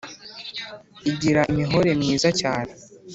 Igira imihore myiza cyane